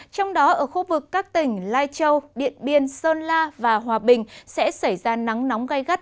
trong đó ở khu vực các tỉnh lai châu điện biên sơn la và hòa bình sẽ xảy ra nắng nóng gai gắt